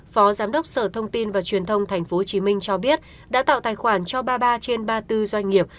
phó giám đốc sở thông tin và truyền thông tp hcm cho biết đã tạo tài khoản cho ba mươi ba trên ba mươi bốn doanh nghiệp